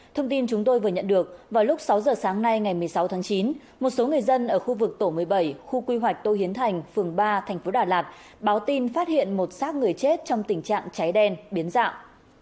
thông tin chúng tôi vừa nhận được vào lúc sáu giờ sáng nay ngày một mươi sáu tháng chín một số người dân ở khu vực tổ một mươi bảy khu quy hoạch tô hiến thành phường ba thành phố đà lạt báo tin phát hiện một sát người chết trong tình trạng cháy đen biến dạng